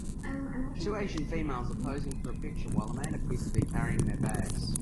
Two Asian females are posing for a picture while a man appears to be carrying their bags.